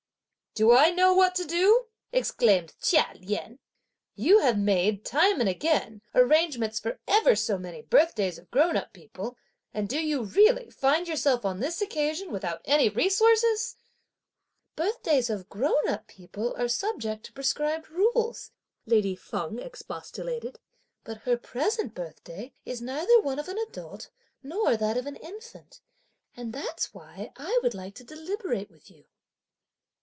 "Do I know what to do?" exclaimed Chia Lien; "you have made, time and again, arrangements for ever so many birthdays of grown up people, and do you, really, find yourself on this occasion without any resources?" "Birthdays of grown up people are subject to prescribed rules," lady Feng expostulated; "but her present birthday is neither one of an adult nor that of an infant, and that's why I would like to deliberate with you!"